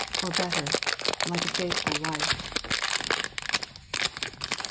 Or better,— like a faithful wife.